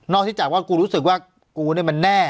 ที่จากว่ากูรู้สึกว่ากูเนี่ยมันแน่